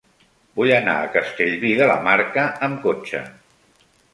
Vull anar a Castellví de la Marca amb cotxe.